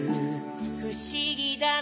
「ふしぎだね